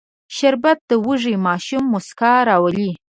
شربت د وږي ماشوم موسکا راولي